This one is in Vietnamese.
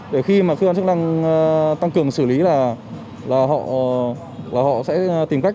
để khi mà cơ quan chức năng tăng cường xử lý là họ sẽ tìm cách